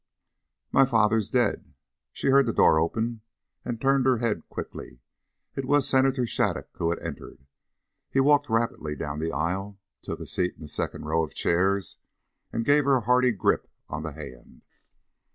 "My father is dead." She heard the door open and turned her head quickly. It was Senator Shattuc who had entered. He walked rapidly down the aisle, took a seat in the second row of chairs, and gave her a hearty grip of the hand.